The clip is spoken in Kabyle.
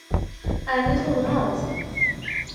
Ɛni tuḍneḍ?